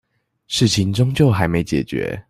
事情終究還沒解決